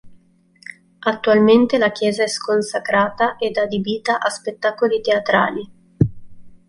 Attualmente la chiesa è sconsacrata ed adibita a spettacoli teatrali.